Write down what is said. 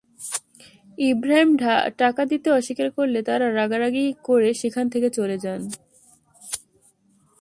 ইব্রাহিম টাকা দিতে অস্বীকার করলে তাঁরা রাগারাগি করে সেখান থেকে চলে যান।